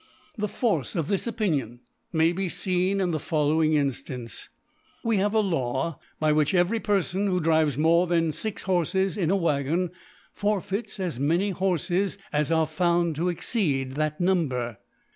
The Force of this Opi nion may be feen in the following Inftance^ We have a Law by which every Perfon who drives more than fix Horfes in a Wag gon forfeits as many Horfes as are found to exceed that Number.